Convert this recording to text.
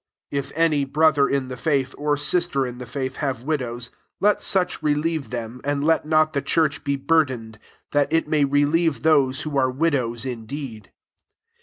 16 If any [brother in the faith, or] sister in the faith, have wick>ws, let such relieve them, and let not the church be burdened; that it may relieve those wio are widows indeed.